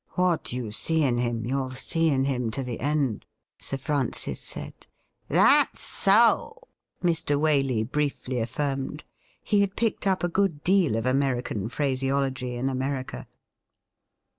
' What you see in him, you'll see in him to the end,' Sir Francis said. ' That's so,' Mr. Waley briefly aflnrmed. He had picked up a good deal of American phraseology in America.